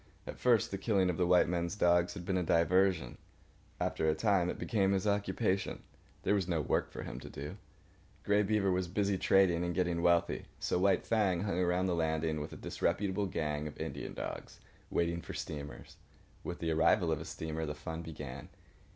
At first, the killing of the white men's dogs had been a diversion. After a time it became his occupation. There was no work for him to do. Grey Beaver was busy trading and getting wealthy. So White Fang hung around the landing with the disreputable gang of Indian dogs, waiting for steamers. With the arrival of a steamer the fun began.